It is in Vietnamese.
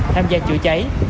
tham gia chữa cháy